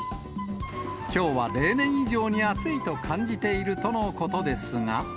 きょうは例年以上に暑いと感じているとのことですが。